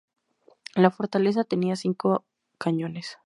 La fortaleza tenía cinco cañones.